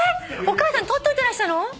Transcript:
お母さん取っといてらしたの！？